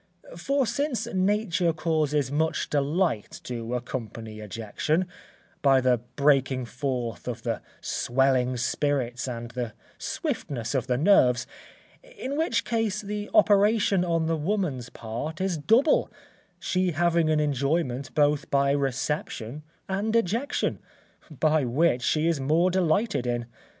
For since nature causes much delight to accompany ejection, by the breaking forth of the swelling spirits and the swiftness of the nerves; in which case the operation on the woman's part is double, she having an enjoyment both by reception and ejection, by which she is more delighted in.